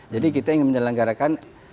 jadi kita ingin menyelenggarakan